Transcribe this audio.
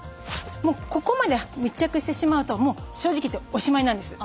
ここまで密着してしまうと正直言っておしまいなんです。